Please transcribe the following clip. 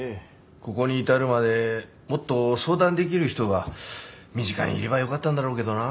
ここに至るまでもっと相談できる人が身近にいればよかったんだろうけどな。